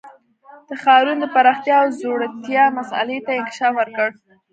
د ښارونو د پراختیا او ځوړتیا مسئلې ته یې انکشاف ورکړ